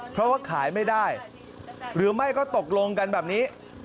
เพราะว่าขายไม่ได้หรือไม่ก็ตกลงกันแบบนี้